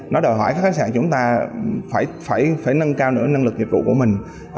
nó đòi hỏi các khách sạn chúng ta phải nâng cao nữa năng lực dịch vụ của mình